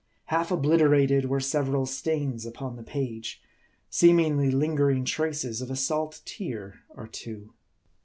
Half obliterated were several stains upon the page ; seem ingly, lingering traces of a salt tear or two.